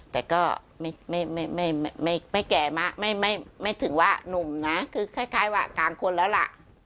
แต่ก็ไม่แก่มากไม่ถึงว่านุ่มนะคือคล้ายว่าต่างคนแล้วล่ะ